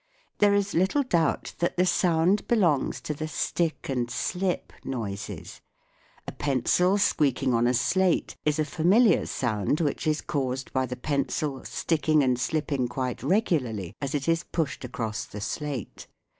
There is little doubt that the sound belongs to the " stick and slip " noises. A pencil squeaking on a slate is a familiar sound which is caused, by the pencil sticking and slipping quite regularly as it is pushed across the slate.